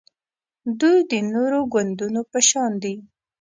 دوی د نورو ګوندونو په شان دي